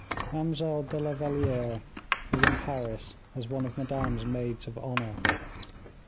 Mademoiselle de la Valliere is in Paris as one of Madame's maids of honor.